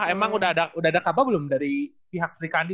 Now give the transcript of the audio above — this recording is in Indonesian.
emang udah ada kabar belum dari pihak sri kandi